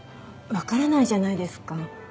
わからないじゃないですか。